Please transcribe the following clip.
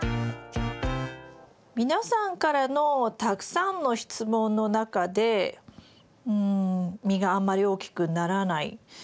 皆さんからのたくさんの質問の中でうん「実があんまり大きくならない」